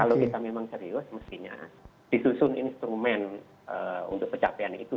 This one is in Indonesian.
kalau kita memang serius mestinya disusun instrumen untuk pencapaian itu